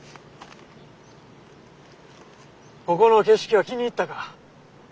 ここの景色は気に入ったか？